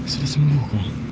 sudah sembuh kau